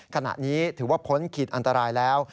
ขณะนี้ถือว่าพ้นขีดอันตรายแล้ว